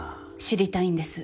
知りたいんです。